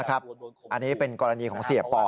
อันนี้เป็นกรณีของเสียปอ